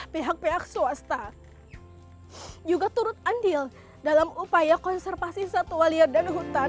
pihak pihak swasta juga turut andil dalam upaya konservasi satwa liar dan hutan